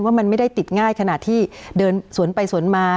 ว่ามันไม่ได้ติดง่ายขนาดที่เดินสวนไปสวนมา